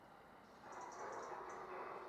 Birikek eta beste arnas bideek osatzen dute.